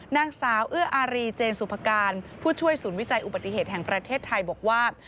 นางสาวเอื้ออารีเจนสุภการผู้ช่วยศูนย์วิจัยอุบัติเหตุแห่งประเทศไทยบอกว่า